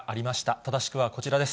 正しくはこちらです。